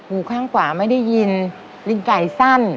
หูข้างขวาไม่ได้ยินลิงไก่สั้น